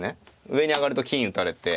上に上がると金打たれて。